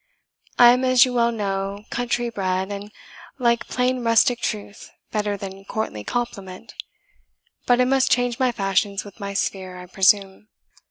I am as you well know, country bred, and like plain rustic truth better than courtly compliment; but I must change my fashions with my sphere, I presume."